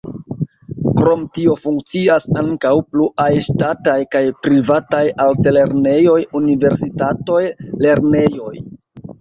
Krom tio funkcias ankaŭ pluaj ŝtataj kaj privataj altlernejoj, universitatoj, lernejoj.